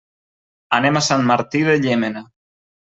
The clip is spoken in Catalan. Anem a Sant Martí de Llémena.